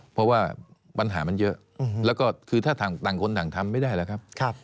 เพราะว่าปัญหามันเยอะแล้วก็ขณะที่ตังคนต่างทำไม่ได้แหล่ะนะครับ